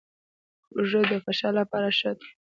هوږه د فشار لپاره ښه ده